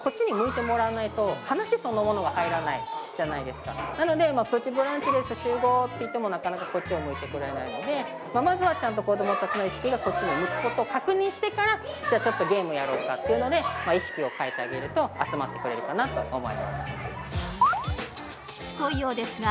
さすがにまずなので「プチブランチです集合」って言ってもなかなかこっちを向いてくれないのでまずはちゃんと子どもたちの意識がこっちに向くことを確認してからじゃちょっとゲームやろうかっていうので意識を変えてあげると集まってくれるかなと思いますしつこいようですが